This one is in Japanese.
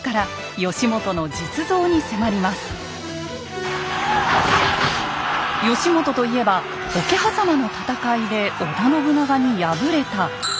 義元と言えば桶狭間の戦いで織田信長に敗れた「ダメ武将」。